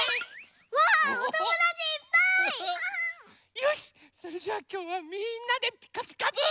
よしそれじゃあきょうはみんなで「ピカピカブ！」。